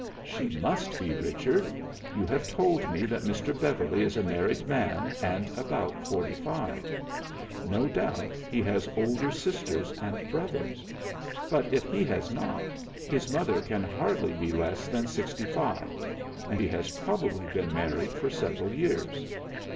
'" "'She must be, Richard. You have told me that Mr. Beverly is a married man and about forty five. No doubt he has older sisters and brothers. But if he has not, his mother can hardly be less than sixty five, and he has probably been married for several years.